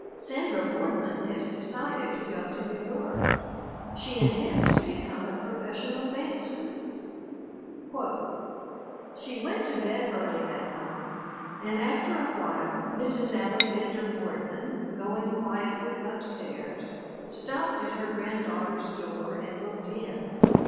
Sandra Boardman has decided to go to New York. She in tends to become a professional dancer. "She went to bed early that night; and after a while Mrs. Alexander Boardman, going quietly up stairs, stopped at her granddaughter's door and looked in.